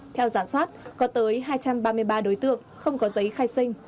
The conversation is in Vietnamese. theo giả soát có tới hai trăm ba mươi ba đối tượng không có giấy khai sinh